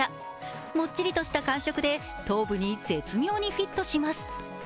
もっちりとした感触で、頭部に絶妙にフィットします。